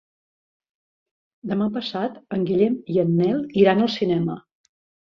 Demà passat en Guillem i en Nel iran al cinema.